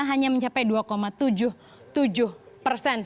hanya mencapai dua tujuh puluh tujuh persen